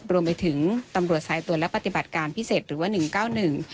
รวมไปถึงตำรวจสายตรวจและปฏิบัติการพิเศษหรือว่าหนึ่งเก้าหนึ่ง